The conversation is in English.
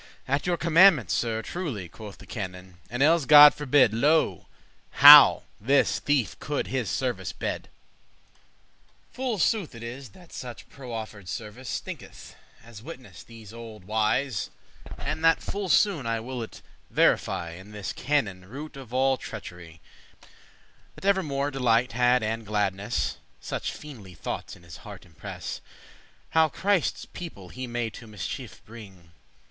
"At your commandement, Sir, truely," Quoth the canon, "and elles God forbid." Lo, how this thiefe could his service bede!* *offer Full sooth it is that such proffer'd service Stinketh, as witnesse *these olde wise;* *those wise folk of old* And that full soon I will it verify In this canon, root of all treachery, That evermore delight had and gladness (Such fiendly thoughtes *in his heart impress*) *press into his heart* How Christe's people he may to mischief bring.